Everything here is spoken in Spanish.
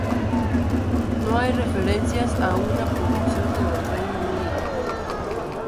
No hay referencias a una producción en el Reino Unido.